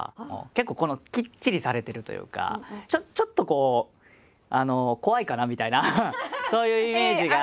結構きっちりされてるというかちょっとこう怖いかなみたいなそういうイメージが。